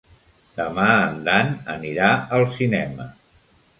Demà en Dan anirà al cinema.